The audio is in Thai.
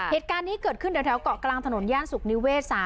เหตุการณ์นี้เกิดขึ้นแถวเกาะกลางถนนย่านสุขนิเวศ๓